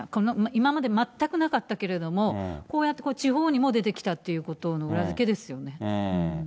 今まで全くなかったけれども、こうやって地方にも出てきたということの裏付けですよね。